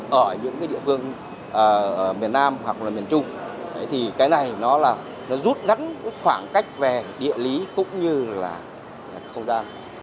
nhiều doanh nghiệp ở những địa phương miền nam hoặc miền trung thì cái này nó rút gắn khoảng cách về địa lý cũng như là không đa